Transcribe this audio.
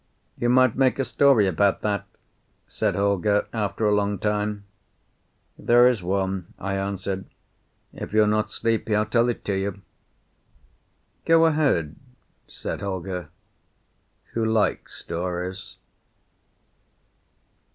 "You might make a story about that," said Holger after a long time. "There is one," I answered. "If you're not sleepy, I'll tell it to you." "Go ahead," said Holger, who likes stories.